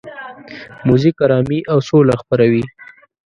موزیک آرامي او سوله خپروي.